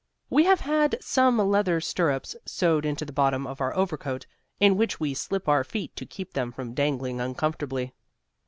We have had some leather stirrups sewed into the bottom of our overcoat, in which we slip our feet to keep them from dangling uncomfortably.